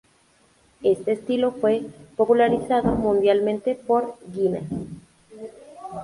Este estilo fue popularizado mundialmente por Guinness.